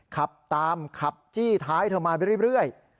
ขับตามขับจี้ท้ายเธอมาไปเรื่อย